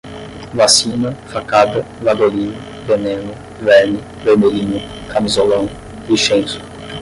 vacina, facada, vagolino, veneno, verme, vermelhinho, camisolão, vichenzo